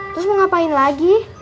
terus mau ngapain lagi